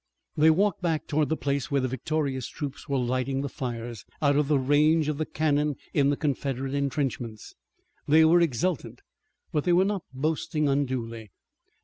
They walked back toward the place where the victorious troops were lighting the fires, out of the range of the cannon in the Confederate intrenchments. They were exultant, but they were not boasting unduly.